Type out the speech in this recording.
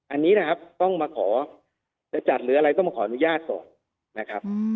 อันนี้นะครับต้องมาขอจะจัดหรืออะไรก็มาขออนุญาตก่อนนะครับ